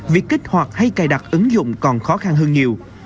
việc kích hoạt hay cài đặt ứng dụng còn khó khăn hơn nhiều